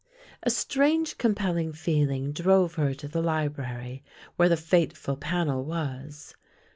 A strange compelling feeling drove her to the library where the fateful panel was.